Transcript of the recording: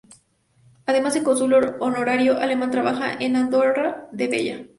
Además, un Cónsul Honorario alemán trabaja en Andorra la Vella.